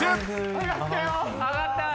上がったよ！